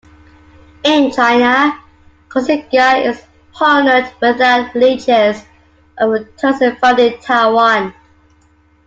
In China, Koxinga is honoured without the religious overtones found in Taiwan.